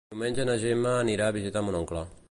Diumenge na Gemma anirà a visitar mon oncle.